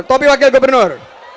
topi wakil gubernur